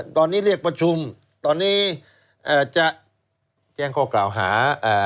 ตอนนี้เรียกประชุมตอนนี้จะแจ้งข้อกล่าวหา